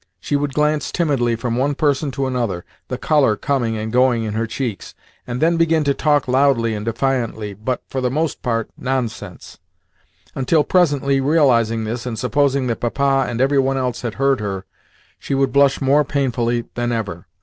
She would glance timidly from one person to another, the colour coming and going in her cheeks, and then begin to talk loudly and defiantly, but, for the most part, nonsense; until presently, realising this, and supposing that Papa and every one else had heard her, she would blush more painfully than ever.